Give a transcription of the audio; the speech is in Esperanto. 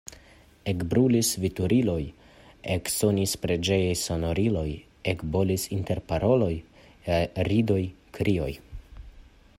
Ekbruis veturiloj, eksonis preĝejaj sonoriloj, ekbolis interparoloj, ridoj, krioj.